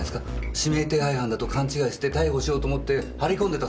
指名手配犯だと勘違いして逮捕しようと思って張り込んでた。